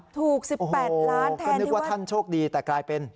ถูก๑๘ล้านแทนที่วัดโอ้โฮก็นึกว่าท่านโชคดีแต่กลายเป็น